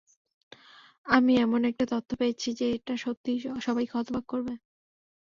আমি এমন একটা তথ্য পেয়েছি, যেটা সত্যিই সবাইকে হতবাক করবে।